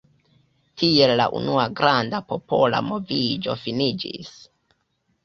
Tiel la unua granda popola moviĝo finiĝis.